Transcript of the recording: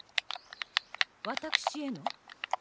私への？